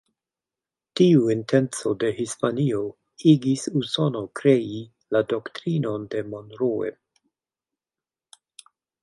Tiu intenco de Hispanio igis Usono krei la Doktrinon de Monroe.